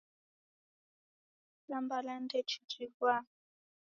Kitambala ndechijighwa.